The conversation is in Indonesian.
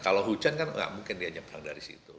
kalau hujan kan enggak mungkin dia nyemprang dari situ